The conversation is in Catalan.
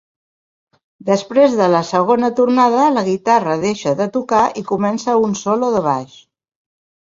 Després de la segona tornada, la guitarra deixa de tocar i comença un solo de baix.